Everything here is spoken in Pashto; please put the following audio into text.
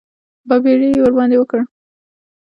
بابېړي یې ورباندې وکړ.